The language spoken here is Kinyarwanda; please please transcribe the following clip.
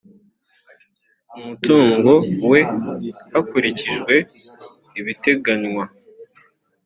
umutungo we hakurikijwe ibiteganywa